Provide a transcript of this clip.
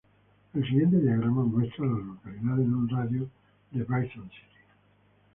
El siguiente diagrama muestra a las localidades en un radio de de Bryson City.